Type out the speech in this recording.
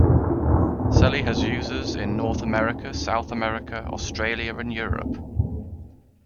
Selly has users in North America, South America, Australia, and Europe.